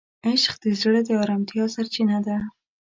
عشق د زړه د آرامتیا سرچینه ده.